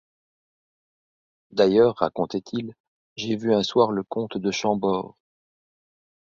D'ailleurs, racontait-il, j'ai vu un soir le comte de Chambord.